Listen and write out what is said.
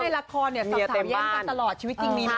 แล้วในละครเนี่ยสองสามแย่งกันตลอดชีวิตจริงดีเหรอ